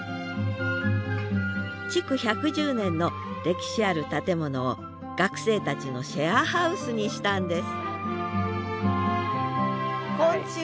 築１１０年の歴史ある建物を学生たちのシェアハウスにしたんですこんちは。